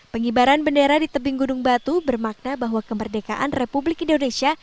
pengibaran bendera di tebing gunung batu bermakna bahwa kemerdekaan republik indonesia